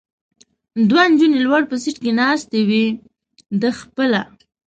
دوه نجونې لوړ په سېټ کې ناستې وې، دی خپله.